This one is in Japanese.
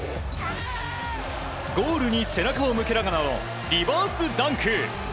ゴールに背中を向けながらのリバースダンク。